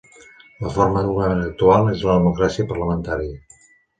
La forma de govern actual és la democràcia parlamentària.